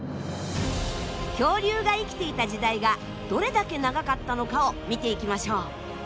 恐竜が生きていた時代がどれだけ長かったのかを見ていきましょう。